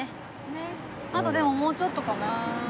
あとでももうちょっとかな。